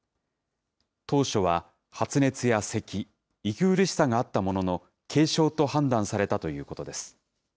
当初は発熱やせき、息苦しさがあったものの、軽症と判断されたということです。